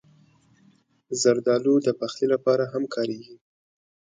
زردالو د پخلي لپاره هم کارېږي.